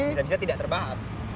bisa bisa tidak terbahas